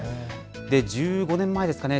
１５年前ですかね。